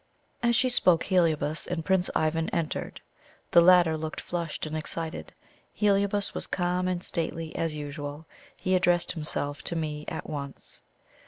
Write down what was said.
As she spoke, Heliobas and Prince Ivan entered. The latter looked flushed and excited Heliobas was calm and stately as usual. He addressed himself to me at once.